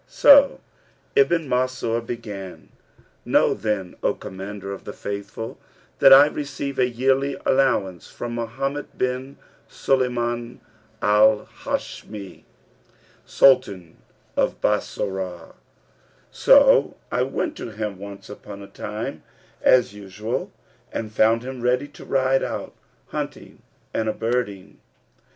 So Ibn Mansur began: "Know then, O Commander of the Faithful, that I receive a yearly allowance from Mohammed bin Sulaymбn al Hбshimi, Sultan of Bassorah; so I went to him once upon a time, as usual, and found him ready to ride out hunting and birding.